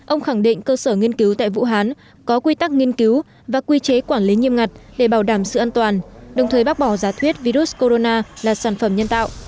ông khẳng định cơ sở nghiên cứu tại vũ hán có quy tắc nghiên cứu và quy chế quản lý nghiêm ngặt để bảo đảm sự an toàn đồng thời bác bỏ giá thuyết virus corona là sản phẩm nhân tạo